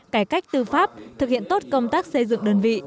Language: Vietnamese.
cải cách tư pháp thực hiện tốt công tác xây dựng đơn vị